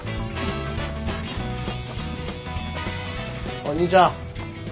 おい兄ちゃん。